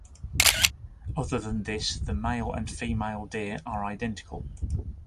Other than this, the male and female deer are identical.